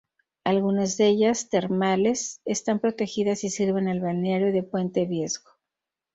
Algunas de ellas, termales, están protegidas y sirven al balneario de Puente Viesgo.